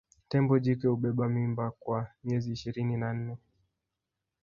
Tembo jike hubeba mimba kwa miezi ishirini na nne